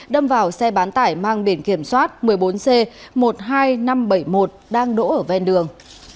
đâm vào xe bán tải mang biển kiểm soát một mươi bốn c một mươi hai nghìn năm trăm bảy mươi một đang đỗ ở ven đường